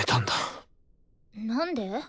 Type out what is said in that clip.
なんで？